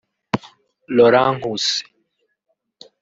Laurent Nkusi